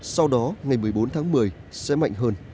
sau đó ngày một mươi bốn tháng một mươi sẽ mạnh hơn